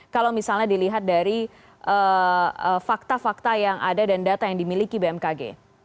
kalau misalnya dilihat dari fakta fakta yang ada dan data yang dimiliki bmkg